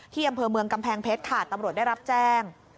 ที่อำเภอเมืองกำแพงเพชรค่ะตำรวจได้รับแจ้ง